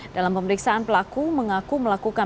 dalam pemeriksaan pelaku mengaku melakukan